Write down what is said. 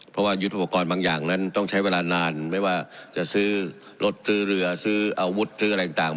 เพราะว่ายุทธโปรกรณ์บางอย่างนั้นต้องใช้เวลานานไม่ว่าจะซื้อรถซื้อเรือซื้ออาวุธซื้ออะไรต่าง